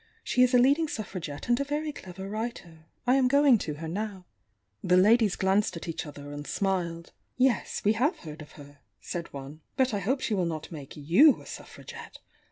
She is a leading Suffragette and a very clever writer. I am gomg to her now." ,^,,„.,^ The ladies glanced at each other and smiled. .'yes,_we have heard of her," said one. But 1 hope she will not make you a Suffragette!